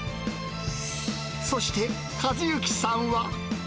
そして和幸さんは。